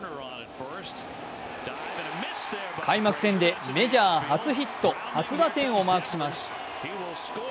開幕戦でメジャー初ヒット初打点をマークします。